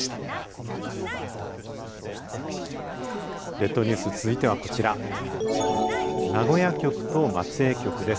列島ニュース、続いてはこちら名古屋局と松江局です。